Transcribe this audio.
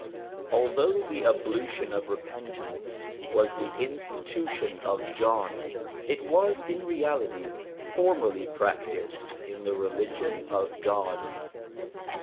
Although the ablution of repentance was the institution of John, it was in reality formerly practised in the Religion of God.